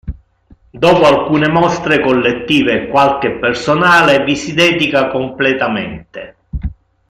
Dopo alcune mostre collettive e qualche personale, vi si dedica completamente.